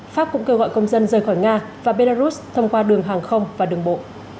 pháp cũng kêu gọi công dân rời khỏi nga và belarus thông qua đường hàng không và đường bộ